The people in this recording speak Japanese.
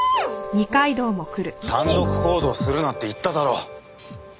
単独行動するなって言っただろ。